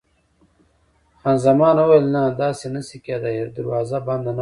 خان زمان وویل: نه، داسې نه شي کېدای، دروازه بنده نه کړم.